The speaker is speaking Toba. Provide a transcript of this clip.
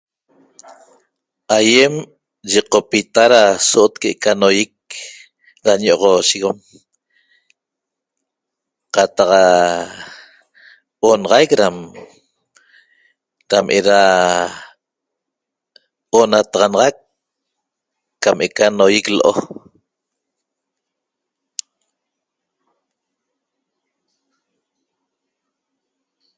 Aýem yiqopita da so'ot que'eca noýic da ño'oxosheguem qataq onaxaic dam dam eda onataxanaxac cam eca noýic l'o